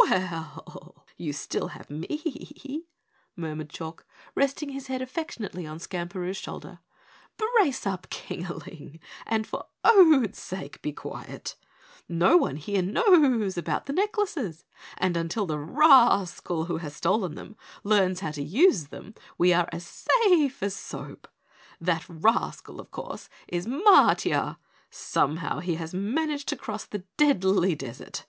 "Well, you still have me," murmured Chalk, resting his head affectionately on Skamperoo's shoulder. "Brace up, Kingaling, and for oats sake be quiet! No one here knows about the necklaces and until the rascal who has stolen them learns how to use them we are as safe as soap. That rascal, of course, is Matiah. Somehow he has managed to cross the Deadly Desert.